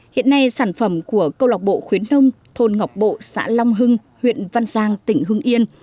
hiện nay sản phẩm của câu lạc bộ khuyến nông thôn ngọc bộ xã long hưng huyện văn giang tỉnh hưng yên